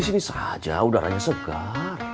tapi saja udaranya segar